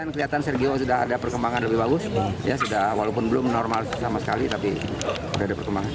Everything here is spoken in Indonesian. kelihatan sergio sudah ada perkembangan lebih bagus walaupun belum normal sama sekali tapi sudah ada perkembangan